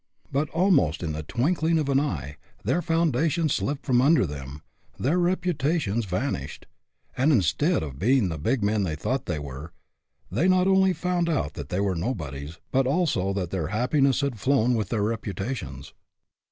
But, almost in the twinkling of an eye, their foundations slipped from under them, their reputations vanished, and, instead of being the big men they thought they were, they not only found that they were nobodies, but also that their " happiness " had flown with their reputations.